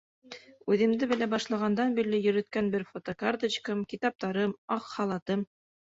Үҙемде белә башлағандан бирле йөрөткән бер фотокарточкам, китаптарым, аҡ халатым...